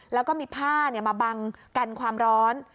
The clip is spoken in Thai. แล้วก็มีผ้ามาบังกันความร้อน